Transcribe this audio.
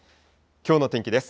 きょうの天気です。